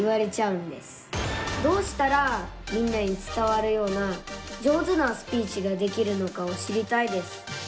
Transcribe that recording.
どうしたらみんなに伝わるような上手なスピーチができるのかを知りたいです。